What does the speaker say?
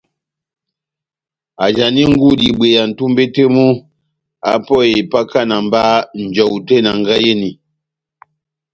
ajani ngudi ibweya nʼtumbe tɛh mu apɔhe ipakana mba njɔwu tɛh enangahi eni.